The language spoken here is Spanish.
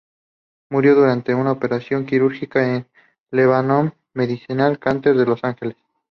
Murió durante una operación quirúrgica en el Lebanon Medical Center de Los Ángeles.